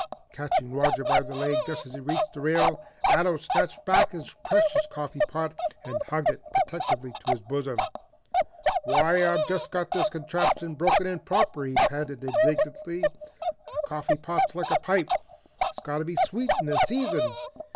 Catching Roger by the leg just as he reached the rail, Ato snatched back his precious coffee pot and hugged it protectively to his bosom. "Why I've just got this contraption broken in proper," he panted indignantly. "A coffee pot's like a pipe, it's got to be sweetened and seasoned.